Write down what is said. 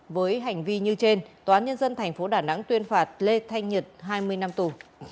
với hành vi như trên tòa nhân dân tp đà nẵng tuyên phạt lê thanh nhật hai mươi năm tù